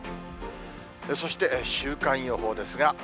そして、週間予報ですが。